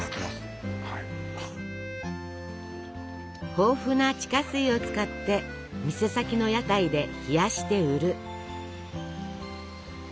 豊富な地下水を使って店先の屋台で冷やして売る。